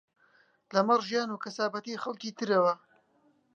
لەمەڕ ژیان و کەسابەتی خەڵکی ترەوە